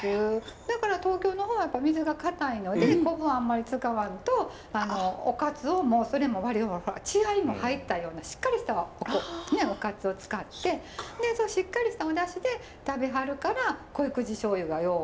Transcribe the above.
だから東京の方は水が硬いので昆布はあんまり使わんとお鰹もそれも血合いも入ったようなしっかりしたお鰹を使ってでそしてしっかりしたおだしで食べはるから濃い口しょうゆがよう合うて。